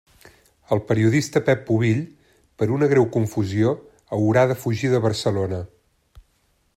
El periodista Pep Pubill, per una greu confusió, haurà de fugir de Barcelona.